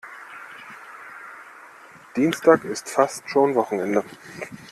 Dienstag ist fast schon Wochenende.